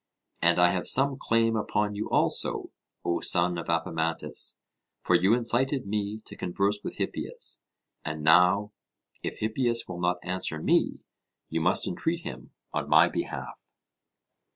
And I have some claim upon you also, O son of Apemantus, for you incited me to converse with Hippias; and now, if Hippias will not answer me, you must entreat him on my behalf.